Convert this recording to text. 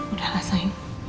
udah lah sayang